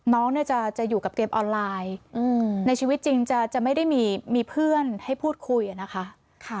น้องเนี่ยจะอยู่กับเกมออนไลน์ในชีวิตจริงจะไม่ได้มีเพื่อนให้พูดคุยนะคะ